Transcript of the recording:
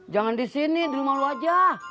jangan di sini di rumah lu aja